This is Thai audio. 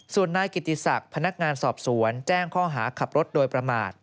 ส่วนนายกิติศักดิ์พนักงานสอบสวนแจ้งข้อหาขับรถโดยประมาท